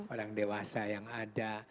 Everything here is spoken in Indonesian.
orang dewasa yang ada